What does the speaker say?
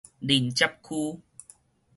鄰接區